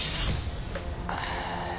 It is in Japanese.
ああ。